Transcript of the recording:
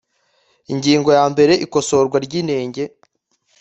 Ingingo ya mbere Ikosorwa ry inenge